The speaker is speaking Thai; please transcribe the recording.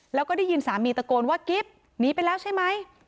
แล้วก็ได้ยินสามีตะโกนว่ากิฟต์หนีไปแล้วใช่ไหม